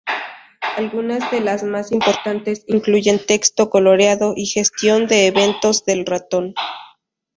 Algunas de las más importantes incluyen texto coloreado y gestión de eventos del ratón.